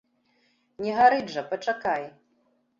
Не гарыць жа, пачакай.